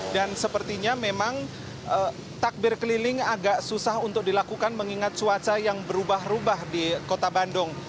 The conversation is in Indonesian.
dan sepertinya memang takbir keliling agak susah untuk dilakukan mengingat suasana yang berubah rubah di kota bandung